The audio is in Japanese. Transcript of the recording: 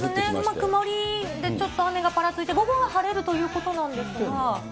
曇りでちょっと雨がぱらついて、午後は晴れるということなんですが。